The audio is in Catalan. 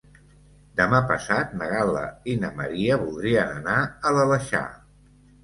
Demà passat na Gal·la i na Maria voldrien anar a l'Aleixar.